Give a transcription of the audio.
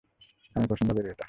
আমি পছন্দ করি এটা।